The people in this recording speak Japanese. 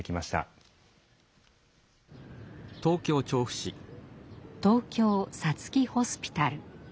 東京さつきホスピタル。